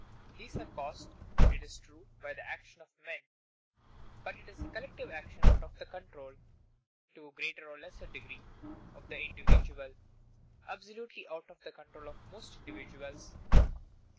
These are caused, it is true, by the action of men, but it is a collective action out of the control, to a greater or less degree, of the individual absolutely out of the control of most individuals.